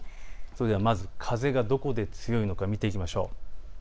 まず風がどこで強いのか見ていきましょう。